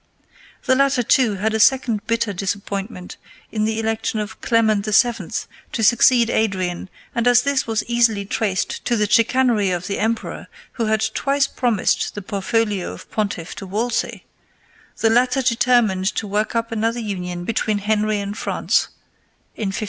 The latter, too, had a second bitter disappointment in the election of Clement VII. to succeed Adrian, and as this was easily traced to the chicanery of the emperor, who had twice promised the portfolio of pontiff to Wolsey, the latter determined to work up another union between Henry and France in 1523.